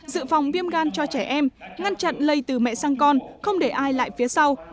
dự phòng viêm gan cho trẻ em ngăn chặn lây từ mẹ sang con không để ai lại phía sau